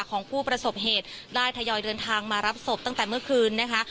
ของผู้ประสบเหตุได้ทยอยเดินทางมารับศพตั้งแต่เมื่อคืนนะคะ